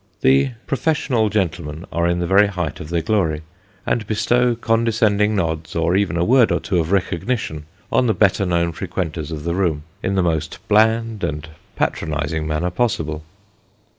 The " profes sional gentlemen " are in the very height of their glory, and bestow condescending nods, or even a word or two of recognition, on the better known frequenters of the room, in the most bland and patronising manner possible.